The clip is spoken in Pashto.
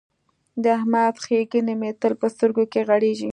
د احمد ښېګڼې مې تل په سترګو کې غړېږي.